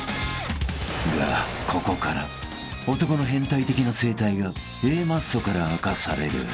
［がここから男の変態的な生態がＡマッソから明かされる］